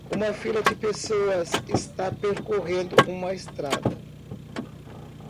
Uma fila de pessoas está percorrendo uma estrada.